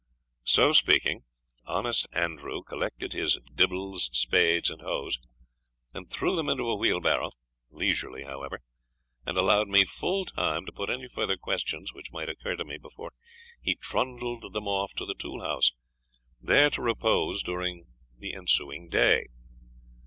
So speaking, honest Andrew collected his dibbles, spades, and hoes, and threw them into a wheel barrow, leisurely, however, and allowing me full time to put any further questions which might occur to me before he trundled them off to the tool house, there to repose during the ensuing day.